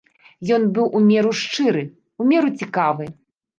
Ён быў у меру шчыры, у меру цікавы.